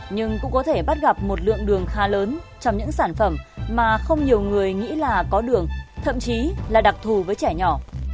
nhưng cũng có thể bắt gặp một lượng đường khá lớn trong những sản phẩm mà không nhiều người nghĩ là có đường thậm chí là đặc thù với trẻ nhỏ